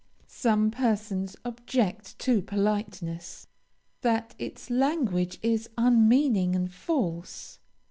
Some persons object to politeness, that its language is unmeaning and false.